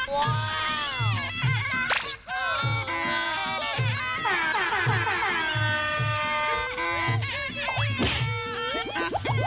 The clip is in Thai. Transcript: ว้าว